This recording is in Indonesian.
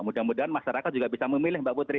mudah mudahan masyarakat juga bisa memilih mbak putri